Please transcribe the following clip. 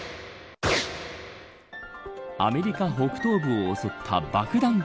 アメリカ、北東部を襲った爆弾